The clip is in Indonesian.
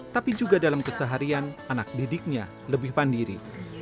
tapi juga dalam keseharian anak didiknya lebih pandiri